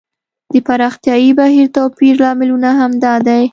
د پراختیايي بهیر توپیرونه لامل همدا دی.